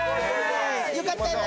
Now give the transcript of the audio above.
よかったね。